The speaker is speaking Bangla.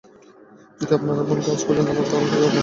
যদি আপনার বোনকে আজকে খুঁজে না পান তাহলে কি করবেন?